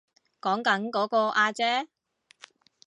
講緊嗰個阿姐